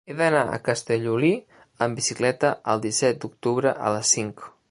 He d'anar a Castellolí amb bicicleta el disset d'octubre a les cinc.